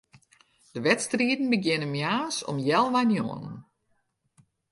De wedstriden begjinne moarns om healwei njoggenen.